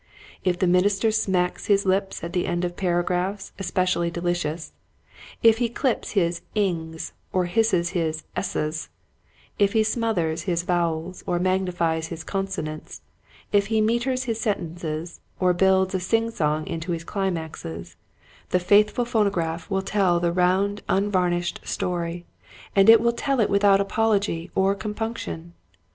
If the minister smacks his lips at the end of paragraphs especially delicious, if he clips his "ings" or hisses his " esses," if he smoothers his vowels or magnifies his consonants, if he meters his sentences or builds a sing song into his climaxes, the faithful phonograph will tell the round unvarnished story, and it will tell it without apology or compunction.